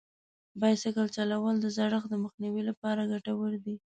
بایسکل چلول د زړښت د مخنیوي لپاره ګټور دي.